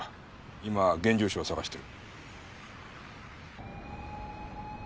今現住所を探してる。